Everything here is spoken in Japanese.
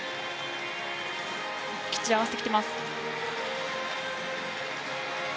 きっちり合わせてきています。